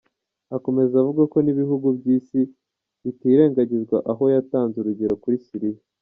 Akomeza avuga ko n’ibihugu by’Isi bitirengagizwa, aho yatanze urugero kuri Syria.